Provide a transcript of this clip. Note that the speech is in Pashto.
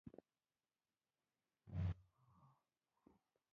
تا چاته نه ښيم باور وکه.